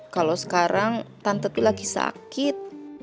kalau sekarang tante itu lagi sakit